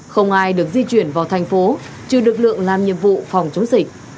không ai được di chuyển vào thành phố trừ lực lượng làm nhiệm vụ phòng chống dịch